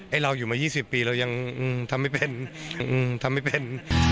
ไอ้เราอยู่มา๒๐ปีเรายังทำไม่เป็น